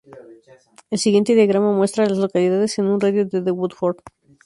El siguiente diagrama muestra a las localidades en un radio de de Woodford.